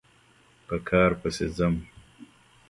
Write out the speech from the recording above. په کار پسې ځم